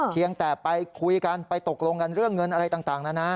เพียงแต่ไปคุยกันไปตกลงกันเรื่องเงินอะไรต่างนะนะ